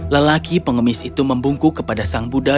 lelaki pengemis itu membungku kepada sang buddha